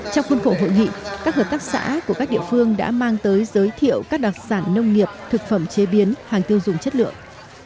trong khuôn khổ hội nghị các hợp tác xã của các địa phương đã mang tới giới thiệu các đặc sản nông nghiệp thực phẩm chế biến hàng tiêu dùng chất lượng